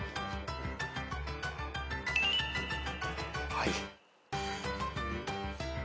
はい。